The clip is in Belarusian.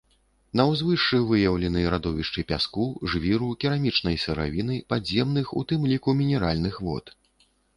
На ўзвышшы выяўлены радовішчы пяску, жвіру, керамічнай сыравіны, падземных, у тым ліку мінеральных вод.